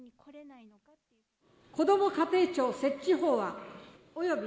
こども家庭庁設置法案及び。